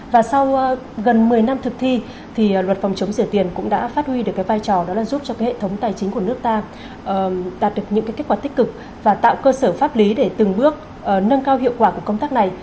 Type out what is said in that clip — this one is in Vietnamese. và sau gần một mươi năm thực thi thì luật phòng chống rửa tiền cũng đã phát huy được cái vai trò đó là giúp cho cái hệ thống tài chính của nước ta đạt được những cái kết quả tích cực và tạo cơ sở pháp lý để từng bước nâng cao hiệu quả của công tác này